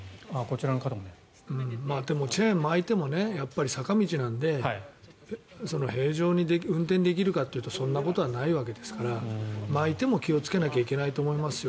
でもチェーンを巻いてもやっぱり坂道なので平常に運転できるかっていうとそんなことはないわけですから巻いても気をつけなきゃいけないと思いますよ。